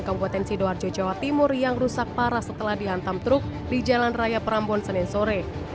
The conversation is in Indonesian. kabupaten sidoarjo jawa timur yang rusak parah setelah dihantam truk di jalan raya perambon senin sore